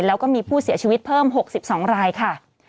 แล้วก็มีผู้เสียชีวิตเพิ่ม๖๒รายค่ะ